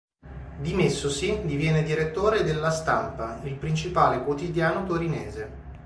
Dimessosi, diviene direttore della "Stampa", il principale quotidiano torinese.